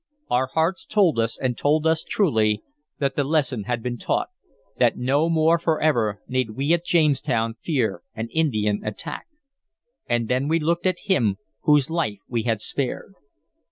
Our hearts told us, and told us truly, that the lesson had been taught, that no more forever need we at Jamestown fear an Indian attack. And then we looked at him whose life we had spared.